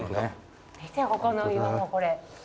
見てここの岩もこれ。